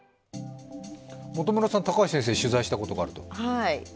元村さん、高橋先生を取材したことがあると。